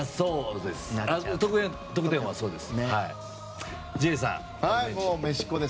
得点はそうです。